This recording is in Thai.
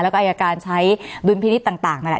แล้วก็อายการใช้ดุลพินิษฐ์ต่างนั่นแหละ